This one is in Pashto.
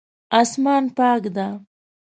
اسمان پاک ده